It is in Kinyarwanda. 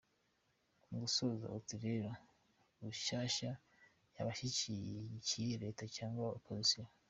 Mu gusoza uti rero, Rushyashya yaba ishyigikiye Leta cyangwa opposition ?